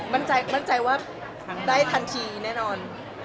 บันใจว่าได้ทันทีแน่นอน